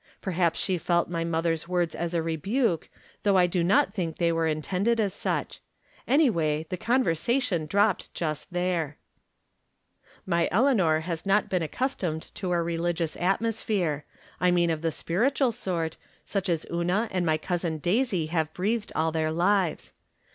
Perhaps she felt my mother's words as a rebuke, though I do not think they were intended as such. Anyway, the conversa tion dropped just there ! My Eleanor has not been accustomed to a re ligious atmosphere — I mean of the spiritual sort, such as Una and my Consin Daisy have breathed all their lives.